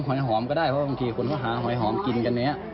หอยหอมก็ได้เพราะบางทีคนเขาหาสีหอยหอมกินกันเนี้ย